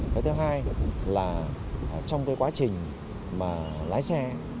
cái thứ hai là trong cái quá trình mà lái xe